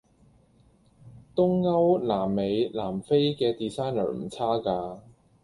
東歐南美南非既 designer 唔差架